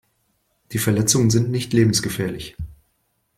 Die Verletzungen sind nicht lebensgefährlich.